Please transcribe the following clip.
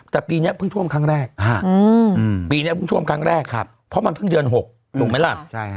แต่ปีนี้เพิ่งท่วมครั้งแรกเพราะมันเพิ่งเดือน๖ถูกไหมล่ะ